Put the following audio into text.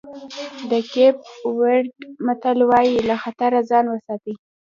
د کېپ ورېډ متل وایي له خطره ځان وساتئ.